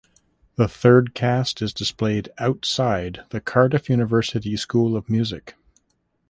The third cast is displayed outside the Cardiff University School of Music.